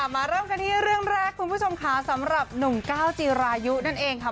มาเริ่มกันที่เรื่องแรกคุณผู้ชมค่ะสำหรับหนุ่มก้าวจีรายุนั่นเองค่ะ